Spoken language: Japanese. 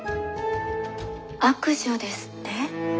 悪女ですって？